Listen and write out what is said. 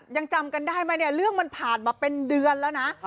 ยังจำกันได้ไหมเนี่ยเรื่องมันผ่านมาเป็นเดือนแล้วนะ